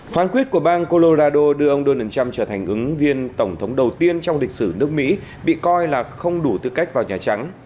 phán quyết của bang colorado đưa ông donald trump trở thành ứng viên tổng thống đầu tiên trong lịch sử nước mỹ bị coi là không đủ tư cách vào nhà trắng